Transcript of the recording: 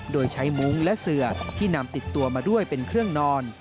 โดยใช้มุ้งและเสือที่นำติดตัวมาด้วยเป็นเครื่องนอน